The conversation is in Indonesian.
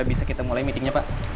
bisa kita mulai meetingnya pak